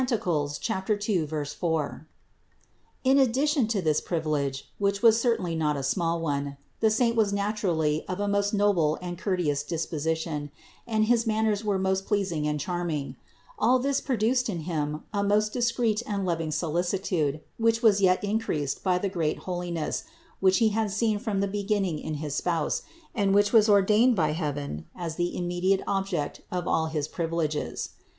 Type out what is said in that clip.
2, 4) ; in addition to this privilege (which was certainly not a small one) the saint was naturally of a most noble and cour teous disposition, and his manners were most pleasing and charming; all this produced in him a most discreet and loving solicitude, which was yet increased by the great holiness, which he had seen from the beginning in his Spouse and which was ordained by heaven as the immediate object of all his privileges.